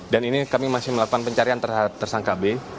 dan ini kami masih melakukan pencarian terhadap tersangka b